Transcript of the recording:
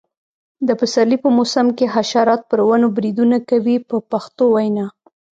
د پسرلي په موسم کې حشرات پر ونو بریدونه کوي په پښتو وینا.